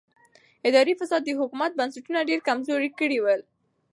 اداري فساد د حکومت بنسټونه ډېر کمزوري کړي ول.